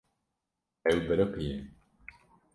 Ew biriqiye.